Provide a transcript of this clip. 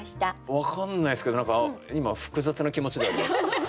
分かんないですけど何か今複雑な気持ちではあります。